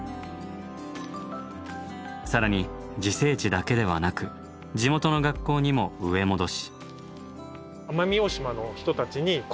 更に自生地だけではなく地元の学校にも植え戻し。